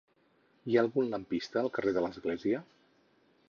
Hi ha algun lampista al carrer de l'Església?